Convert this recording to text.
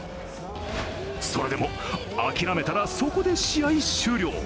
それでも諦めたらそこで試合終了。